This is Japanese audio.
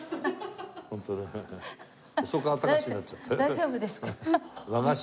大丈夫ですか？